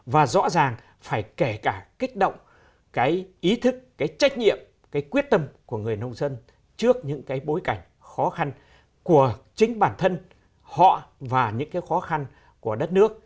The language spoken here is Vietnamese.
và rõ ràng phải kể cả kích động cái ý thức cái trách nhiệm cái quyết tâm của người nông dân trước những cái bối cảnh khó khăn của chính bản thân họ và những cái khó khăn của đất nước